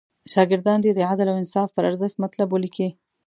شاګردان دې د عدل او انصاف پر ارزښت مطلب ولیکي.